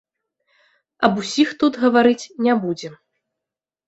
Аб усіх тут гаварыць не будзем.